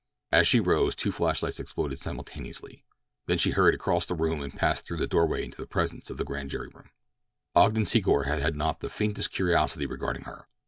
As she rose two flashlights exploded simultaneously. Then she hurried across the room and passed through the doorway into the presence of the grand jury. Ogden Secor had had not the faintest curiosity regarding her.